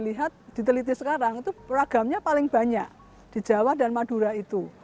lihat diteliti sekarang itu ragamnya paling banyak di jawa dan madura itu